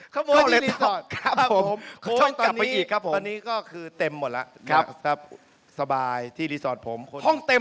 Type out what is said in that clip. ขโมยมาที่ดีสอร์ต